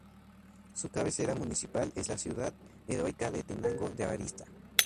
Su cabecera municipal es la ciudad heroica de Tenango de Arista.